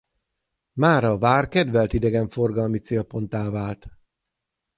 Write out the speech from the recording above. Mára a vár kedvelt idegenforgalmi célponttá vált.